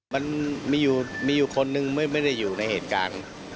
มันมีอยู่คนนึงไม่ได้อยู่ในเหตุการณ์